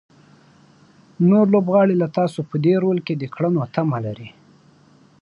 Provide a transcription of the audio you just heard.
نور لوبغاړي له تاسو په دې رول کې د کړنو تمه لري.